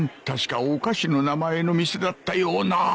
確かお菓子の名前の店だったような